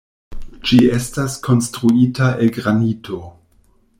Ĝi estas konstruita el granito.